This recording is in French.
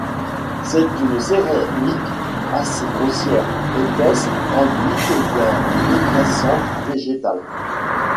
C'est une céramique assez grossière, épaisse, enduite d'un dégraissant végétal.